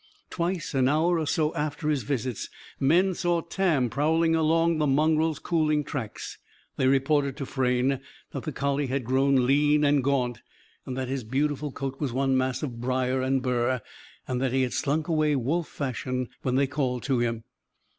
Twice, an hour or so after his visits, men saw Tam prowling along the mongrel's cooling tracks. They reported to Frayne that the collie had grown lean and gaunt and that his beautiful coat was one mass of briar and burr; and that he had slunk away, wolf fashion, when they called to him.